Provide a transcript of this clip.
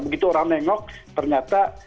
begitu orang nengok ternyata